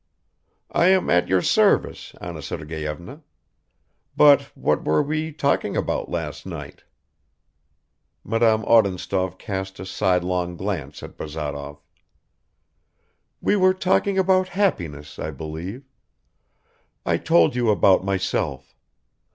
"I am at your service, Anna Sergeyevna. But what were we talking about last night?" Madame Odintsov cast a sidelong glance at Bazarov. "We were talking about happiness, I believe. I told you about myself.